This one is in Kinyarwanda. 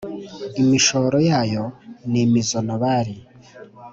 imishoro yayo ni imizonobari.